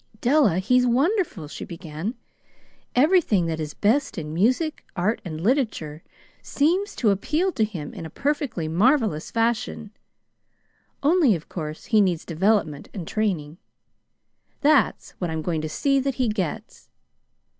"'Della, he's wonderful,' she began. 'Everything that is best in music, art, and literature seems to appeal to him in a perfectly marvelous fashion, only, of course, he needs development and training. That's what I'm going to see that he gets.